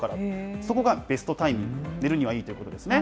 そこがベストタイミング、寝るにはいいということですね。